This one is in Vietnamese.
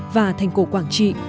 và thành cổ quảng trị